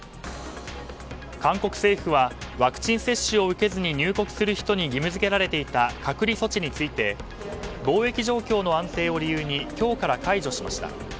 韓国政府はワクチン接種を受けずに入国する人に義務付けられていた隔離措置について防疫状況の安定を理由に今日から解除しました。